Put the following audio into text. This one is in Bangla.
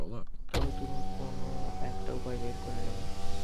তবে তুমি কোনো একটা উপায় বের করে নেবে।